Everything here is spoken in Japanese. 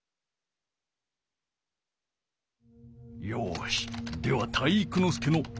よしでは体育ノ